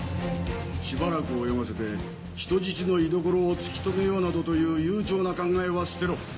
しばらく泳がせて人質の居所を突き止めようなどという悠長な考えは捨てろ！